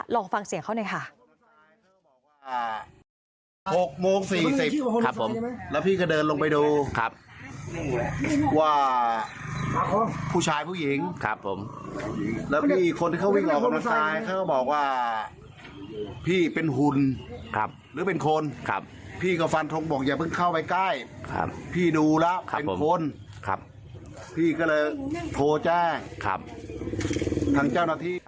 ลองฟังเสียงเขาหน่อยค่ะ